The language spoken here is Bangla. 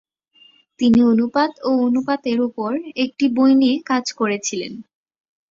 তিনি অনুপাত ও অনুপাতের উপর একটি বই নিয়ে কাজ করেছিলেন।